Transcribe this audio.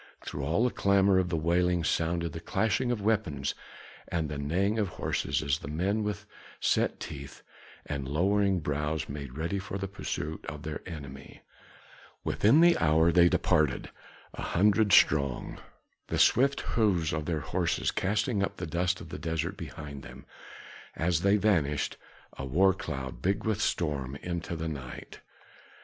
Through all the clamor of the wailing sounded the clashing of weapons and the neighing of horses, as the men with set teeth and lowering brows made ready for the pursuit of their enemy. Within the hour they departed, a hundred strong, the swift hoofs of their horses casting up the dust of the desert behind them, as they vanished, a war cloud big with storm, into the night.